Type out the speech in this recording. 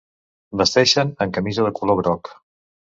Vesteixen amb camisa de color groc.